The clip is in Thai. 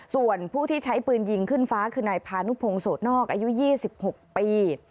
ส่วนผู้ที่ใช้ปืนยิงขึ้นฟ้าคือนายพานุพงโสดนอกอายุ๒๖ปี